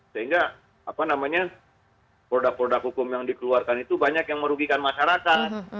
sehingga produk produk hukum yang dikeluarkan itu banyak yang merugikan masyarakat